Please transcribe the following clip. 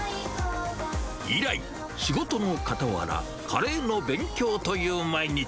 以来、仕事のかたわら、カレーの勉強という毎日。